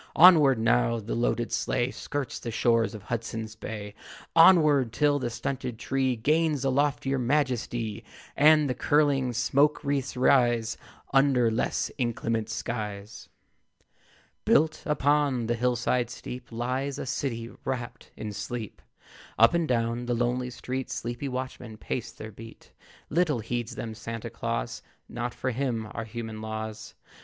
Onward! Now the loaded sleigh Skirts the shores of Hudson's Bay. Onward, till the stunted tree Gains a loftier majesty, And the curling smoke wreaths rise Under less inclement skies. Built upon a hill side steep Lies a city wrapt in sleep. Up and down the lonely street Sleepy watchmen pace their beat. Little heeds them Santa Claus; Not for him are human laws.